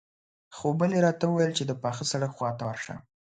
خو بلې راته وويل چې د پاخه سړک خواته ورشه.